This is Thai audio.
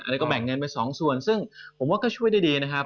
แล้วก็แบ่งเงินไปสองส่วนซึ่งผมว่าก็ช่วยได้ดีนะครับ